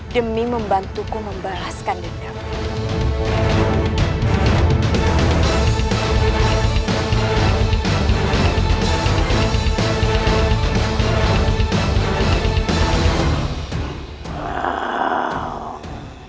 demi membantuku membalaskan dendam